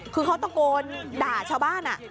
คือเขาตะโกนด่าชาวบ้าน